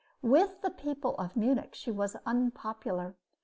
With the people of Munich she was unpopular.